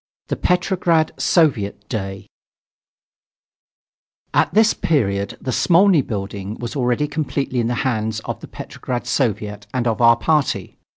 THE "PETROGRAD SOVIET DAY" At this period the Smolny building was already completely in the hands of the Petrograd Soviet and of our party.